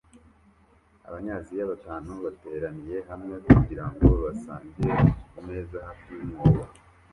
Abanyaziya batanu bateraniye hamwe kugirango basangire kumeza hafi yumwobo